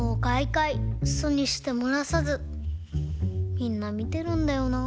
みんなみてるんだよなぁ。